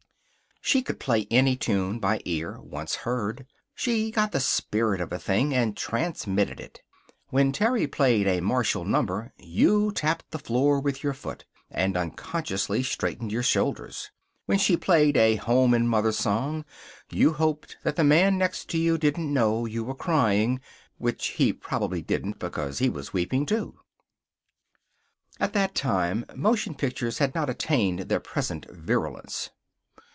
She could play any tune by ear, once heard. She got the spirit of a thing, and transmitted it. When Terry played a martial number you tapped the floor with your foot, and unconsciously straightened your shoulders. When she played a home and mother song you hoped that the man next to you didn't know you were crying (which he probably didn't, because he was weeping, too). At that time motion pictures had not attained their present virulence.